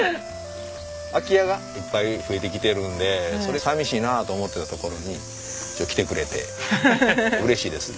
空き家がいっぱい増えてきてるんでそれ寂しいなと思ってたところに来てくれて嬉しいです。